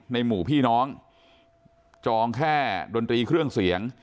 หมู่พี่น้องจองแค่ดนตรีเครื่องเสียง